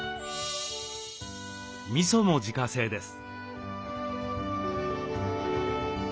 みそも自家製です。